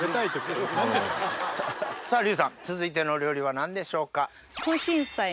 さぁ劉さん続いての料理は何でしょうか？